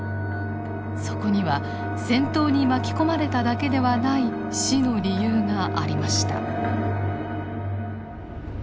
そこには戦闘に巻き込まれただけではない死の理由がありました。